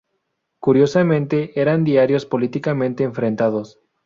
Curiosamente, eran diarios políticamente enfrentados.